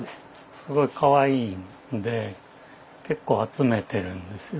すごいかわいいんで結構集めてるんですよ。